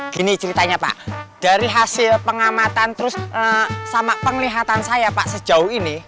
gini ceritanya pak dari hasil pengamatan terus sama penglihatan saya pak sejauh ini